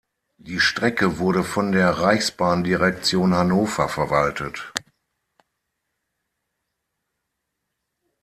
Die Strecke wurde von der Reichsbahndirektion Hannover verwaltet.